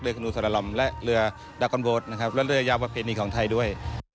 เรือกนูสารลอมและเรือดักกอนโบสต์นะครับและเรือยาวประเภทนี้ของไทยด้วย